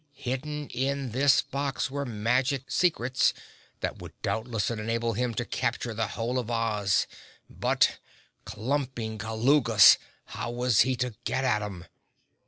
Hidden in this box were magic secrets that would doubtless enable him to capture the Whole of Oz but, klumping kaloogas, how was he to get at 'em?